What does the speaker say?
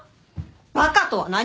バカとは何よ？